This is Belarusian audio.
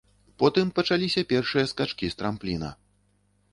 Потым пачаліся першыя скачкі з трампліна.